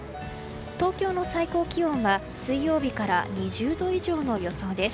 東京の最高気温は水曜日から２０度以上の予想です。